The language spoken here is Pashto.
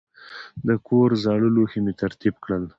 د کور زاړه لوښي مې ترتیب کړل.